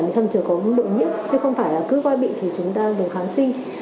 trong trường hợp bộ nhiễm chứ không phải là cứ quay bị thì chúng ta dùng kháng sinh